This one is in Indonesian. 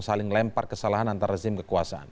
saling lempar kesalahan antara rezim kekuasaan